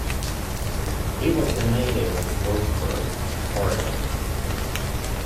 He was a native of Roseburg, Oregon.